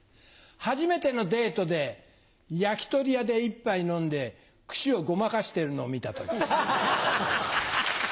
初めてのデートで焼き鳥屋で一杯飲んで串をごまかしてるのを見た時。